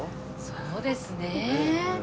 そうですね。